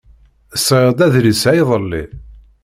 Sɣiɣ-d adlis-a iḍelli.